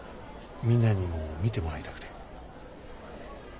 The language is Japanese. みんなにも見てもらいたくて。